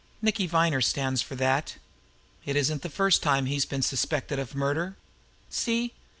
Nicky Viner stands for that. It isn't the first time he's been suspected of murder. See?